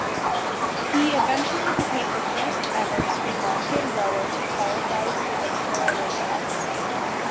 He eventually became the first ever Sri Lankan rower to qualify for the Paralympics.